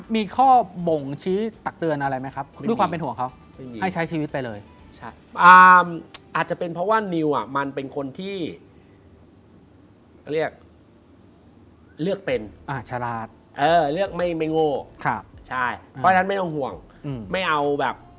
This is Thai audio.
มีข้อบ่งชี้ตักเตือนอะไรไหมครับ